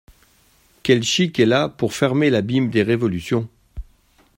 Quel chic elle a pour fermer l’abîme des révolutions !